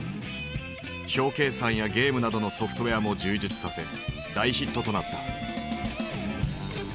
表計算やゲームなどのソフトウエアも充実させ大ヒットとなった。